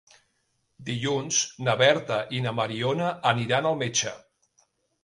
Dilluns na Berta i na Mariona aniran al metge.